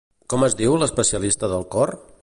Com es diu l'especialista del cor?